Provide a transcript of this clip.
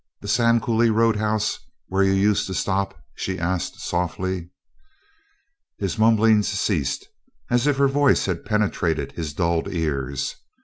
the Sand Coulee Roadhouse where you used to stop?" she asked softly. His mumblings ceased as if her voice had penetrated his dulled ears.